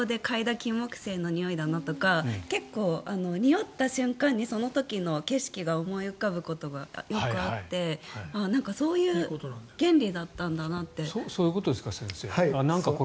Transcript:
キンモクセイの匂いだなとか結構、におった瞬間にその時の景色が思い浮かぶことがよくあってそういう原理だったんだなって。